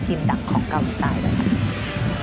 ทีมดังของเกาห์มีตายนะคะ